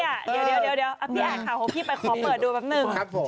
อาจถามของพี่ไปขอเปิดดูแปปหนึ่ง